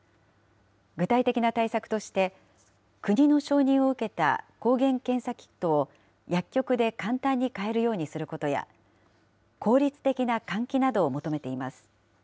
具体的な対策として、国の承認を受けた抗原検査キットを薬局で簡単に買えるようにすることや、効率的な換気などを求めています。